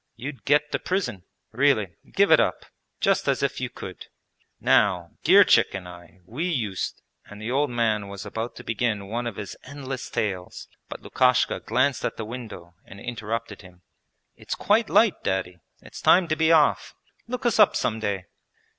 You'd get to prison. Really, give it up! Just as if you could! Now Girchik and I, we used...' And the old man was about to begin one of his endless tales, but Lukashka glanced at the window and interrupted him. 'It is quite light. Daddy. It's time to be off. Look us up some day.'